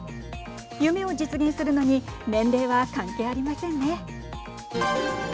夢を実現するのに年齢は関係ありませんね。